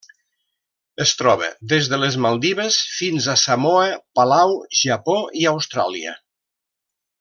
Es troba des de les Maldives fins a Samoa, Palau, Japó i Austràlia.